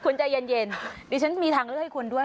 คุณใจเย็นดิฉันมีทางเลือกให้คุณด้วย